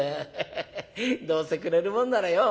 ヘヘヘどうせくれるもんならよ